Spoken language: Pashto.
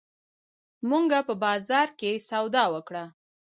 مونږه په بازار کښې سودا وکړه